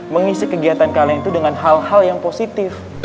mengisi kegiatan kalian itu dengan hal hal yang positif